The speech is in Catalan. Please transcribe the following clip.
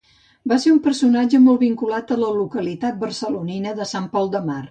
Va ser un personatge molt vinculat a la localitat barcelonina de Sant Pol de Mar.